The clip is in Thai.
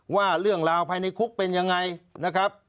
ว่าเรื่องราวภายในคุกเป็นยังไงนะครับ